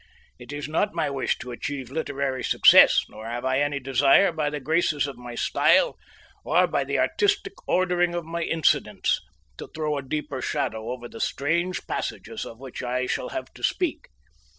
It is not my wish to achieve literary success, nor have I any desire by the graces of my style, or by the artistic ordering of my incidents, to throw a deeper shadow over the strange passages of which I shall have to speak.